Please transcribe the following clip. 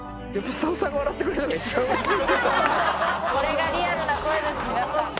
これがリアルな声です皆さん。